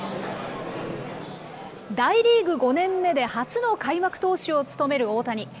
大リーグ５年目で初の開幕投手を務める大谷。